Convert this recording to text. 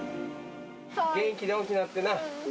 元気で大きなってな。